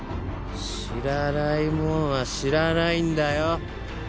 知らないもんは知らないんだよ